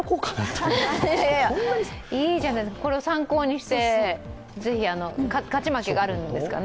いいじゃない、これを参考にしてぜひ、勝ち負けがあるんですかね。